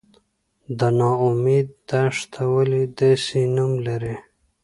د نا امید دښته ولې داسې نوم لري؟